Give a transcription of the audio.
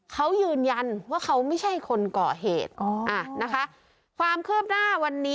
เขายืนยันว่าเขาไม่ใช่คนก่อเหตุอ๋ออ่านะคะความคืบหน้าวันนี้